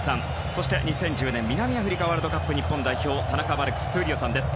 そして、２０１０年南アフリカワールドカップ日本代表田中マルクス闘莉王さんです。